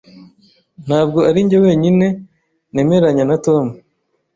Ntabwo arinjye wenyine nemeranya na Tom.